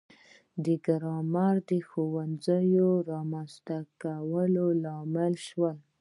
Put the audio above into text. د ګرامر ښوونځیو رامنځته کولو لامل شو.